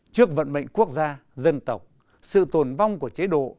trước vận mệnh quốc gia dân tộc sự tồn vong của chế độ